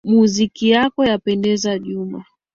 Muziki yako yapendeza Juma